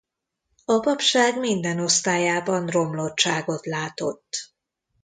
A papság minden osztályában romlottságot látott.